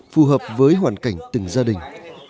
phù hợp với hoàn cảnh từng gia đình